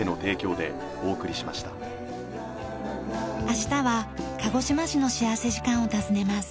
明日は鹿児島市の幸福時間を訪ねます。